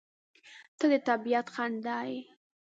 • ته د طبیعت خندا یې.